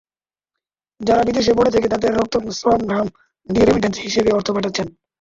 যাঁরা বিদেশে পড়ে থেকে তাঁদের রক্ত-শ্রম-ঘাম দিয়ে রেমিট্যান্স হিসেবে অর্থ পাঠাচ্ছেন।